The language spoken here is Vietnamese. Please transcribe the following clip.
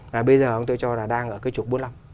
và bây giờ ông tôi cho là đang ở cái trục bốn mươi năm